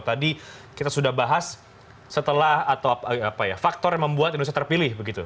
tadi kita sudah bahas setelah atau faktor yang membuat indonesia terpilih begitu